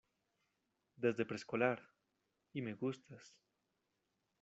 desde preescolar. y me gustas .